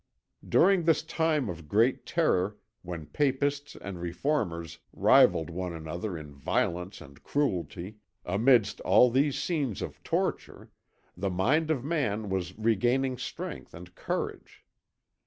"During this time of great terror when Papists and Reformers rivalled one another in violence and cruelty, amidst all these scenes of torture, the mind of man was regaining strength and courage.